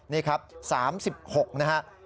นี่ครับ๓๖นะครับ